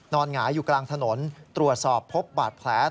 หงายอยู่กลางถนนตรวจสอบพบบาดแผล